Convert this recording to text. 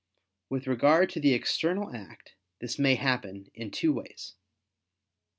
With regard to the external act this may happen in two ways.